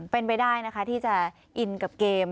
เป็นไปได้นะคะที่จะอินกับเกม